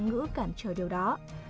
chúng ta sẽ cẩn trò điều đó